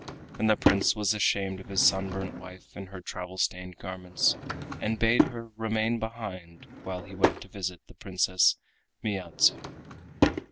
And the Prince was ashamed of his sunburnt wife in her travel stained garments, and bade her remain behind while he went to visit the Princess Miyadzu.